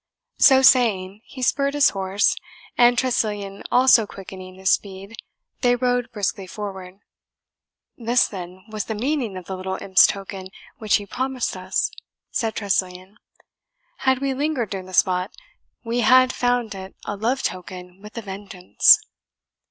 So saying, he spurred his horse, and Tressilian also quickening his speed, they rode briskly forward. "This, then, was the meaning of the little imp's token which he promised us?" said Tressilian. "Had we lingered near the spot, we had found it a love token with a vengeance."